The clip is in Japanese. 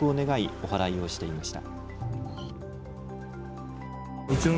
おはらいをしていました。